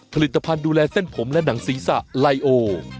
ผลิตภัณฑ์ดูแลเส้นผมและหนังศีรษะไลโอ